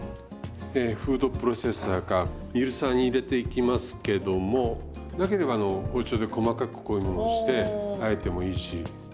フードプロセッサーかミルサーに入れていきますけどもなければ包丁で細かくこういうものをしてあえてもいいし。